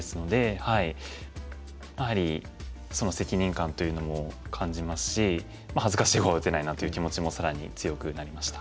やはりその責任感というのも感じますし恥ずかしい碁は打てないなという気持ちも更に強くなりました。